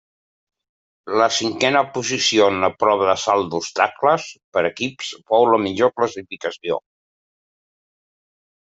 La cinquena posició en la prova de salts d'obstacles per equips fou la millor classificació.